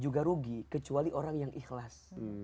juga rugi kecuali orang yang ikhlas